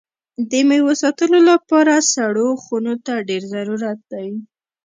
د میوو ساتلو لپاره سړو خونو ته ډېر ضرورت ده.